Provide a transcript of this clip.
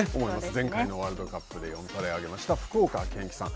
前回のワールドカップで４トライを挙げました福岡堅樹さん。